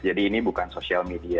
jadi ini bukan social media